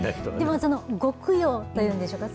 そのご供養というんでしょうか。